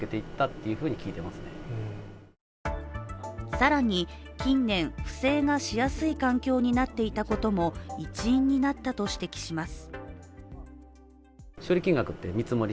更に近年、不正がしやすい環境になっていたことも一因になったと指摘します。